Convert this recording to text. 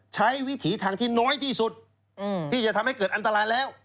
วิถีทางที่น้อยที่สุดที่จะทำให้เกิดอันตรายแล้ว